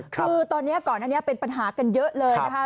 คือตอนนี้ก่อนอันนี้เป็นปัญหากันเยอะเลยนะคะ